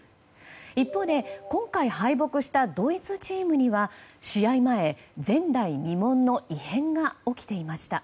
一方で、今回敗北したドイツチームには試合前、前代未聞の異変が起きていました。